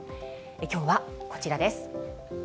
きょうはこちらです。